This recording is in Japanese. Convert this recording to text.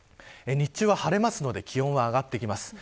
日中は晴れますので気温が上がってきます。